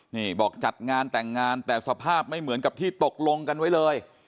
นี่บอกจัดงานแต่งงานแต่สภาพไม่เหมือนกับที่ตกลงกันไว้เลย